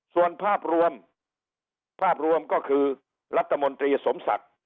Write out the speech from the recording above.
ส่วนภาพรวมภาพรวมก็คือรัฐมนตรีสมศักดิ์